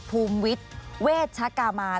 ภูมิวิทย์เวชกามาน